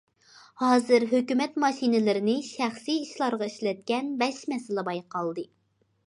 ھازىر ھۆكۈمەت ماشىنىلىرىنى شەخسىي ئىشلارغا ئىشلەتكەن بەش مەسىلە بايقالدى.